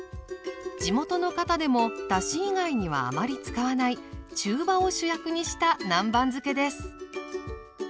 地元の方でもだし以外にはあまり使わない中羽を主役にした南蛮漬けです。